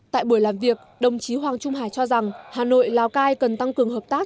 tại buổi làm việc đồng chí hoàng trung hải cho rằng hà nội lào cai cần tăng cường hợp tác